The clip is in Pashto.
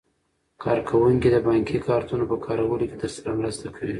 کارکوونکي د بانکي کارتونو په کارولو کې درسره مرسته کوي.